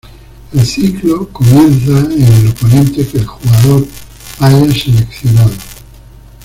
El ciclo comienza en el oponente que el jugador haya seleccionado.